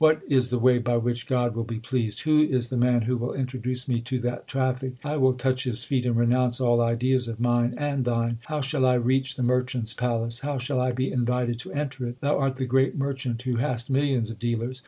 What is the way by which God will be pleased ? Who is the man who will introduce me to that traffic ? I will touch his feet and renounce all ideas of mine and thine. How shall I reach the Merchant s palace ? How shall I be invited to enter it ? Thou art the great Merchant who hast millions of dealers.